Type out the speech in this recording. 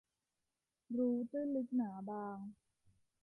รู้ตื้นลึกหนาบาง